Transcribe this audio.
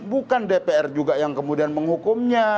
bukan dpr juga yang kemudian menghukumnya